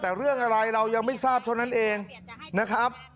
แต่เรื่องอะไรเรายังไม่ทราบเท่านั้นเองนะครับ